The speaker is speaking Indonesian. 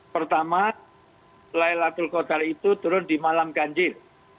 pertama laylatul qadar itu turun di malam ganjil